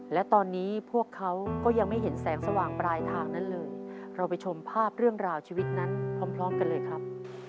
และตอนนี้พวกเขาก็ยังไม่เห็นแสงสว่างปลายทางนั้นเลยเราไปชมภาพเรื่องราวชีวิตนั้นพร้อมกันเลยครับ